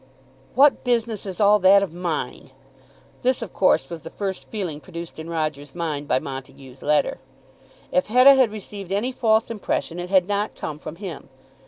What business is all that of mine? This, of course, was the first feeling produced in Roger's mind by Montague's letter. If Hetta had received any false impression, it had not come from him.